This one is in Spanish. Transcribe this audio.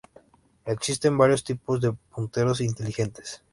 Existen varios tipos de punteros inteligentes.